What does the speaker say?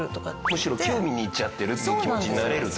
むしろ木を見に行っちゃってるっていう気持ちになれるんだね。